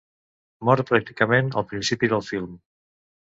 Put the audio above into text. Mor pràcticament al principi del film.